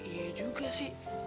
iya juga sih